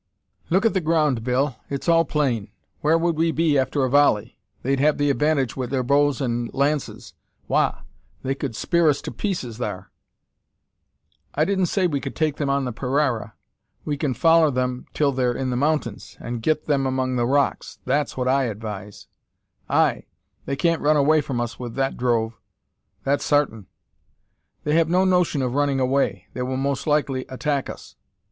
"Look at the ground, Bill! It's all plain. Whar would we be after a volley? They'd have the advantage wi' their bows and lances. Wagh! they could spear us to pieces thar!" "I didn't say we could take them on the paraira. We kin foller them till they're in the mountains, an' git them among the rocks. That's what I advise." "Ay. They can't run away from us with that drove. That's sartin." "They have no notion of running away. They will most likely attack us."